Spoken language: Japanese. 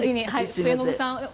末延さん